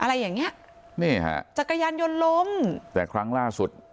อะไรอย่างเงี้ยนี่ฮะจักรยานยนต์ล้มแต่ครั้งล่าสุด